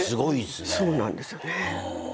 そうなんですよね。